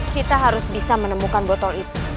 kita harus bisa menemukan botol itu